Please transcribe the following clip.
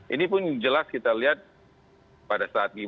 ini pun jelas kita lihat pada saat